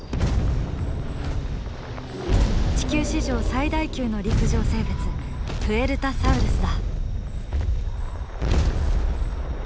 地球史上最大級の陸上生物プエルタサウルスだ。